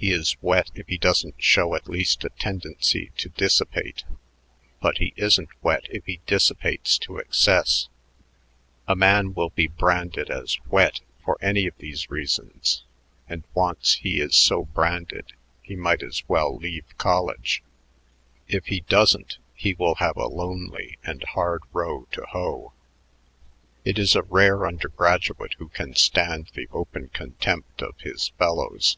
He is wet if he doesn't show at least a tendency to dissipate, but he isn't wet if he dissipates to excess. A man will be branded as wet for any of these reasons, and once he is so branded, he might as well leave college; if he doesn't, he will have a lonely and hard row to hoe. It is a rare undergraduate who can stand the open contempt of his fellows."